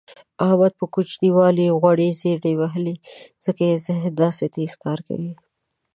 احمد په کوچینوالي غوړې زېړې وهلي ځکه یې ذهن داسې تېز کار کوي.